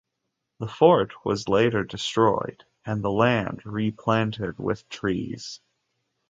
The fort was later destroyed and the land replanted with trees.